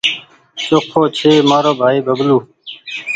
چوکو ڇي مآرو ڀآئي ببلو